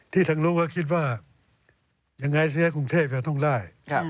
ที่ทั้งรู้ก็คิดว่ายังไงเสียเงาะกรุงเทพฯด่วนต้องได้